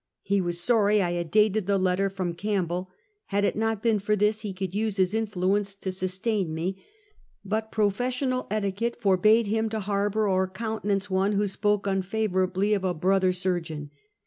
He was sorry I had dated the letter from Campbell, had it not been for this, he could u^e his influence to sustain me; but professional etiquette forbade him to harbor or countenance one who spoke unfavorably of a broth er surgeon.